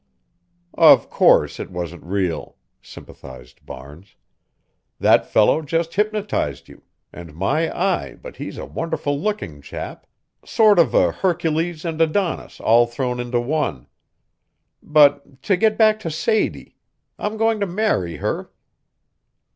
"Of course, it wasn't real," sympathized Barnes. "That fellow just hypnotized you and my eye, but he's a wonderful looking chap sort of a Hercules and Adonis all thrown into one. But to get back to Sadie I'm going to marry her."